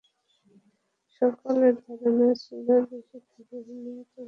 সকলের ধারণা ছিল দেশে ফিরে হেমন্ত বাবু নিজ শহর কলকাতাতেই রোগী দেখবেন।